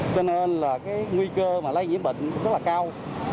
cho nên là nguy cơ lây nhiễm bệnh rất là cao